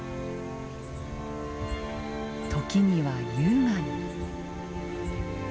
時には優雅に。